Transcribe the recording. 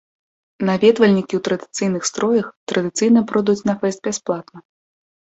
Наведвальнікі ў традыцыйных строях традыцыйна пройдуць на фэст бясплатна.